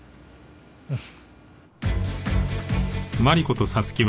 うん。